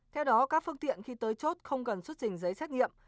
theo đó các phương tiện khi tới chốt không cần xuất trình giấy xét nghiệm